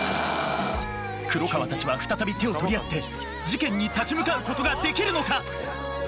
黒川たちは再び手を取り合って事件に立ち向かうことができるのか。